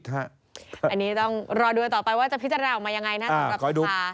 เราต้องรอดูต่อไปว่าจะพิจารณาออกมายังไงนะครับคุณภาพ